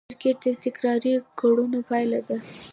کرکټر د تکراري کړنو پایله ده.